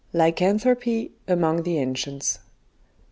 LYCANTHROPY AMONG THE ANCIENTS.